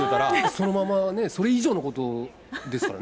そのままね、それ以上のことをですからね。